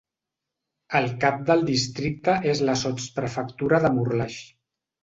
El cap del districte és la sotsprefectura de Morlaix.